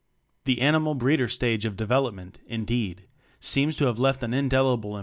The Animal Breeder stage of de velopment, indeed, seems to have left an indelible.